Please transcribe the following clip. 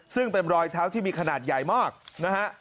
ซึ่งเป็นรอยเท้าที่มีขนาดใหญ่มากนะฮะ